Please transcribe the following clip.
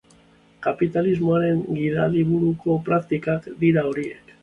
Kapitalismoaren gidaliburuko praktikak dira horiek.